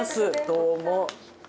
どうも。